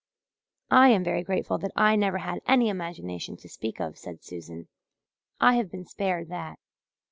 "I am very thankful that I never had any imagination to speak of," said Susan. "I have been spared that.